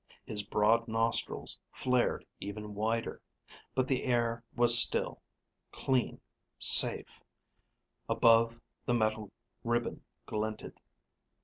His broad nostrils flared even wider. But the air was still, clean, safe. Above, the metal ribbon glinted.